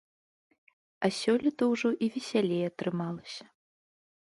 А сёлета ўжо і весялей атрымалася.